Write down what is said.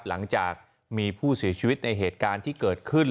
หลังจากมีผู้เสียชีวิตในเหตุการณ์ที่เกิดขึ้น